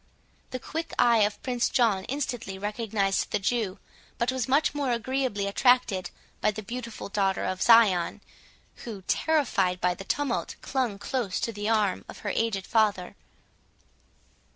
The quick eye of Prince John instantly recognised the Jew, but was much more agreeably attracted by the beautiful daughter of Zion, who, terrified by the tumult, clung close to the arm of her aged father.